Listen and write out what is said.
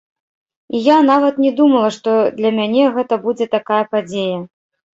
І я нават не думала, што для мяне гэта будзе такая падзея!